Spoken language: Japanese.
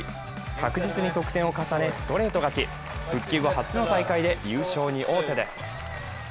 確実に得点を重ね、ストレート勝ち復帰後初の大会で優勝に王手です。